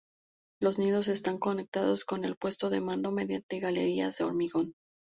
Los nidos están conectados con el puesto de mando mediante galerías de hormigón.